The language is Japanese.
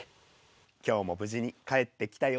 今日も無事に帰ってきたよ。